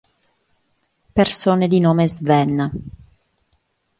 Persone di nome Sven